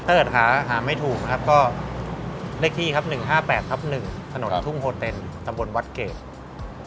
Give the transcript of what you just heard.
เติร์ดหาหาไม่ถูกนะครับก็เลขที่ครับ๑๕๘ครับ๑ถนนทุ่งโฮเต็นจังหวนวัดเกรก